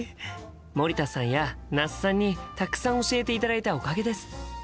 森田さんや那須さんにたくさん教えていただいたおかげです。